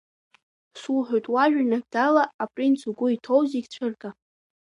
Суҳәоит, уажәа нагӡала, апринц, угәы иҭоу зегь цәырга.